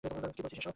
কি বলছিস এসব!